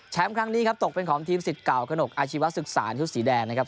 แชมป์ครั้งนี้ตกเป็นของทีมศิษย์เก่าขนกอาชีวศึกษาอันทุกษ์สีแดงนะครับ